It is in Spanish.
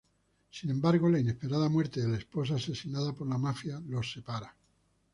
Sin embargo, la inesperada muerte de la esposa, asesinada por la mafia, los separa.